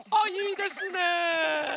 いいですね。